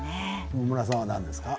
駒村さんは何ですか？